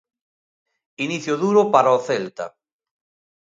Inicio duro para o Celta.